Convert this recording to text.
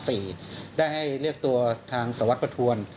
ได้ให้เรียกตัวทางสวัสดิประทวน